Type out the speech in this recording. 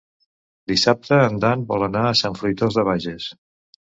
Dissabte en Dan vol anar a Sant Fruitós de Bages.